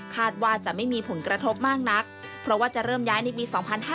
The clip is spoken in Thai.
ว่าจะไม่มีผลกระทบมากนักเพราะว่าจะเริ่มย้ายในปี๒๕๕๙